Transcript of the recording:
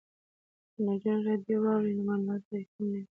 که نجونې راډیو واوري نو معلومات به یې کم نه وي.